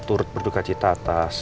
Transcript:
turut berduka cita atas